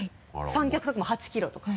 三脚とかも８キロとか。